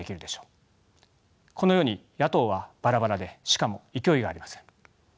このように野党はバラバラでしかも勢いがありません。